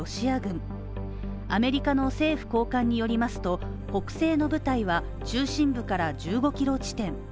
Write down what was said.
アメリカの政府高官によりますと北西の部隊は、中心部から１５ｋｍ地点。